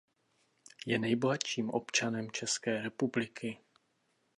Je nejbohatším občanem České republiky.